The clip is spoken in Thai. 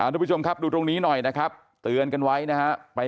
ทุกผู้ชมครับดูตรงนี้หน่อยนะครับเตือนกันไว้นะฮะ